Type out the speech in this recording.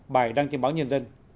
bài đăng tin báo nhân dân